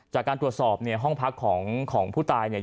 จากการตรวจสอบเนี่ยห้องพักของผู้ตายเนี่ย